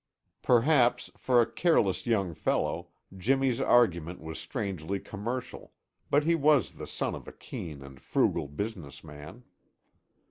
Perhaps, for a careless young fellow, Jimmy's argument was strangely commercial, but he was the son of a keen and frugal business man.